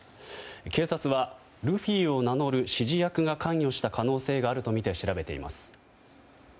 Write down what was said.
警察はルフィを名乗る指示役が関与した可能性があるとみて調べています。